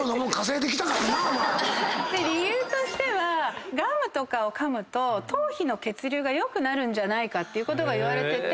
理由としてはガムとかをかむと頭皮の血流良くなるんじゃないかっていうことがいわれてて。